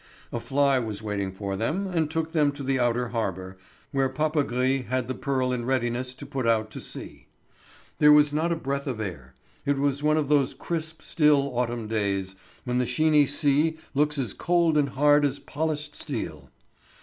A fly was waiting for them and took them to the outer harbour, where Papagris had the Pearl in readiness to put out to sea. There was not a breath of air; it was one of those crisp, still autumn days, when the sheeny sea looks as cold and hard as polished steel.